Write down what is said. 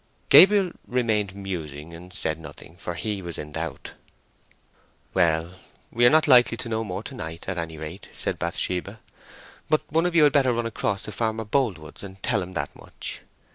Gabriel remained musing and said nothing, for he was in doubt. "Well, we are not likely to know more to night, at any rate," said Bathsheba. "But one of you had better run across to Farmer Boldwood's and tell him that much."